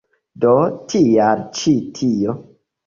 Do tial ĉi tio.